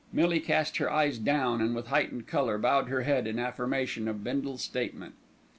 Millie cast her eyes down and, with heightened colour, bowed her head in affirmation of Bindle's statement.